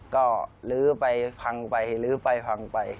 ก็ลื้อไปพังไปลื้อไปพังไป